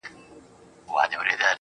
زاهده دغه تا نه غوښتله خدای غوښتله_